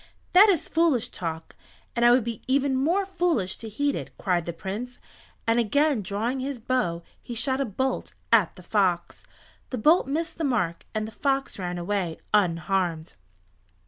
"That is foolish talk, and I would be even more foolish to heed it," cried the Prince, and again drawing his bow he shot a bolt at the fox. The bolt missed the mark, and the fox ran away unharmed.